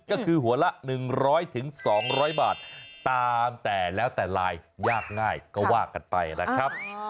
ก็คือหัวละ๑๐๐๒๐๐บาทตามแต่แล้วแต่ลายยากง่ายก็ว่ากันไปนะครับ